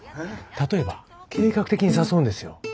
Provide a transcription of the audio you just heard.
例えば計画的に誘うんですよ。